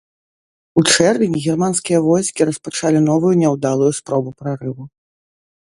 У чэрвені германскія войскі распачалі новую няўдалую спробу прарыву.